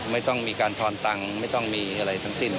ไม่ต้องมีการทอนตังค์ไม่ต้องมีอะไรทั้งสิ้น